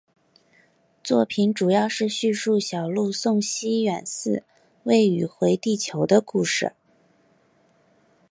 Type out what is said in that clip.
作品主要是在叙述小路送西远寺未宇回地球的故事。